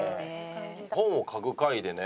本を嗅ぐ会でね